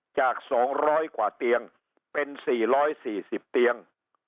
จาก๒๐๐กว่าเตียงเป็น๔๔๐เตียง